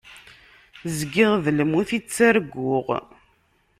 Zgiɣ d lmut i ttarguɣ.